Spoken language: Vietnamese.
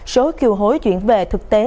số kiều hối chuyển về thực tế